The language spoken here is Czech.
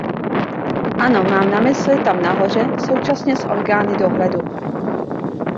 Ano, mám na mysli tam nahoře, současně s orgány dohledu.